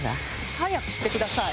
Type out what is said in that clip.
早くしてください。